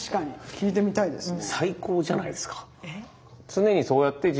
聞いてみたいですね。